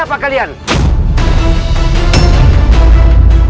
aku raja karansedana